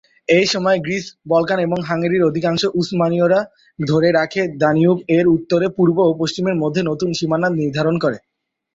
এই সময়ে Greece, Balkan এবং হাঙ্গেরির অধিকাংশ উসমানীয়রা ধরে রাখে, দানিউব এর উত্তরে পূর্ব ও পশ্চিমের মধ্যে নতুন সীমানা নির্ধারন করে।